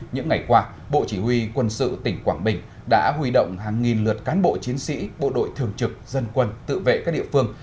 những ngày qua bộ chỉ huy quân sự tỉnh quảng bình đã huy động hàng nghìn lượt cán bộ chiến sĩ bộ đội thường trực dân quân tự vệ các địa phương